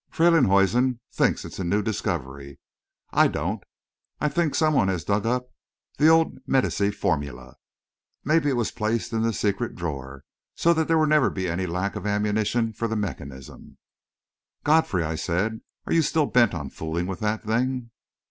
Freylinghuisen thinks it is a new discovery. I don't. I think some one has dug up one of the old Medici formulae. Maybe it was placed in the secret drawer, so that there would never be any lack of ammunition for the mechanism." "Godfrey," I said, "are you still bent on fooling with that thing?"